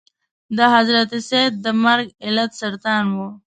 د حضرت سید د مرګ علت سرطان و.